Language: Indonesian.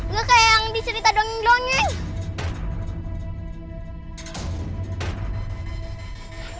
gak kayak yang diserita donyeng donyeng